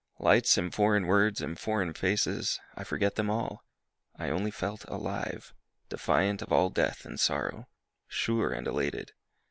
Lights and foreign words and foreign faces, I forgot them all; I only felt alive, defiant of all death and sorrow, Sure and elated.